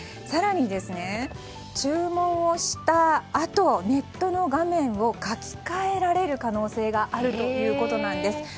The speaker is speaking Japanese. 更に、注文をしたあとネットの画面を書き換えられる可能性があるということなんです。